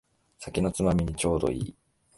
酒のつまみにちょうどいい